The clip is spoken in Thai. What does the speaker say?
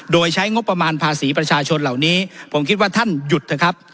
โดยใช้งบประมาณภาษีประชาชนเหล่านี้ผมคิดว่าท่านหยุดเถอะครับ